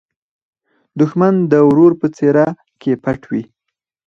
دښمن د ورور په څېره کې پټ وي